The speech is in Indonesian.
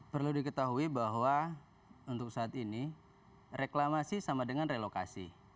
perlu diketahui bahwa untuk saat ini reklamasi sama dengan relokasi